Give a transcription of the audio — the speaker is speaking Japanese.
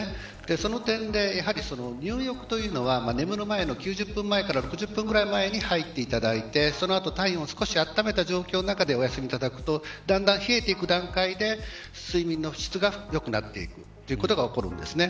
その点で、やはり入浴というのは眠る前の９０分前から６０分前に入っていただいてその後、体温を少し温めた状況の中でおやすみいただくとだんだん冷えていく段階で睡眠の質が良くなっていくということが起こるんです。